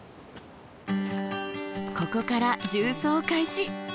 ここから縦走開始！